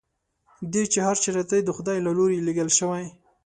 دی چې هر چېرته دی د خدای له لوري لېږل شوی.